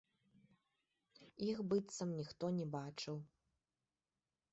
Іх быццам ніхто не бачыў.